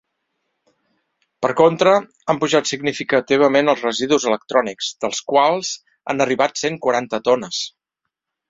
Per contra, han pujat significativament els residus electrònics, dels quals han arribat cent quaranta tones.